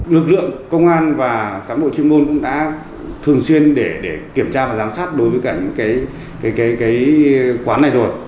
lực lượng công an và cán bộ chuyên môn cũng đã thường xuyên để kiểm tra và giám sát đối với cả những quán này rồi